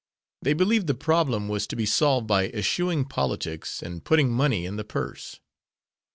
They believed the problem was to be solved by eschewing politics and putting money in the purse.